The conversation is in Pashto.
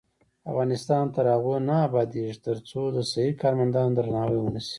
افغانستان تر هغو نه ابادیږي، ترڅو د صحي کارمندانو درناوی ونشي.